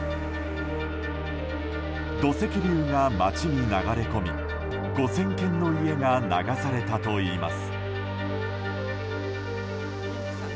土石流が街に流れ込み５０００軒の家が流されたといいます。